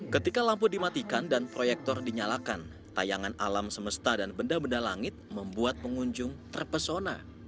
ketika lampu dimatikan dan proyektor dinyalakan tayangan alam semesta dan benda benda langit membuat pengunjung terpesona